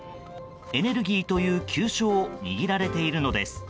エネルギーという急所を握られているのです。